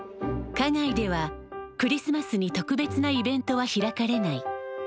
花街ではクリスマスに特別なイベントは開かれない。